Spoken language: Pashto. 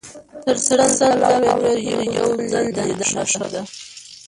- تر سل ځل اوریدلو یو ځل لیدل ښه دي.